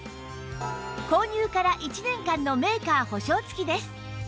購入から１年間のメーカー保証つきです